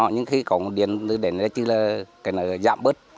nhưng khi có một điện thì đến đây chứ là cái này giảm bớt